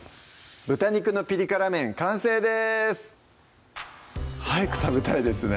「豚肉のピリ辛麺」完成です早く食べたいですね